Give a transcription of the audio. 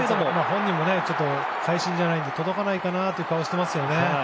本人も会心じゃないので届かないかなという顔をしていましたね。